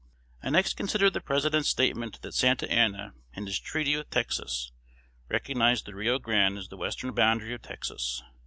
I next consider the President's statement that Santa Anna, in his treaty with Texas, recognized the Rio Grande as the western boundary of Texas.